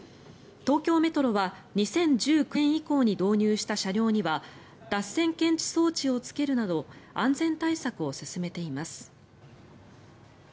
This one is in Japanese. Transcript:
東京メトロは２０１９年以降に導入した車両には脱線検知装置をつけるなど安全対策を進めています。